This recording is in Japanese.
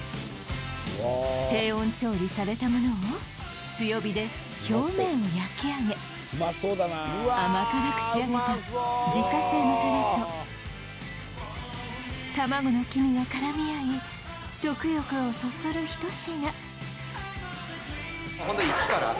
低温調理されたものを強火で表面を焼き上げ甘辛く仕上げた自家製のタレと卵の黄身が絡み合い食欲をそそる一品